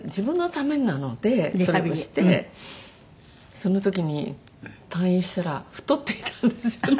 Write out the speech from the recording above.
その時に退院したら太っていたんですよね。